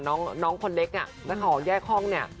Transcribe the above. น้องน้องคนเล็กอ่ะแล้วขอแยกห้องเนี้ย